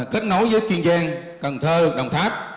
kết nối với kiên giang cần thơ đồng tháp